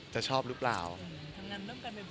จะชอบหรือเปล่าอืมทำงานร่วมกันบ่อยบ่อยแล้วเป็นยังไงบ้างค่ะ